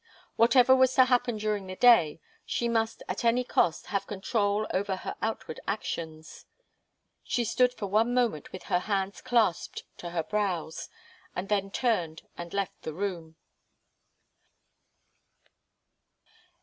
Whatever was to happen during the day, she must at any cost have control over her outward actions. She stood for one moment with her hands clasped to her brows, and then turned and left the room.